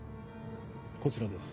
こちらです。